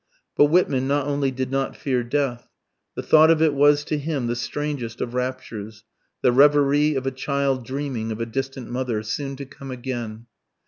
But Whitman not only did not fear death. The thought of it was to him the strangest of raptures, the reverie of a child dreaming of a distant mother, soon to come again.